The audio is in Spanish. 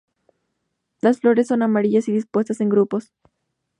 Las flores son amarillas y dispuestas en grupos.